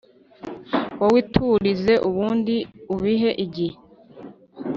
Wowe iturize ubundi ubihe igihe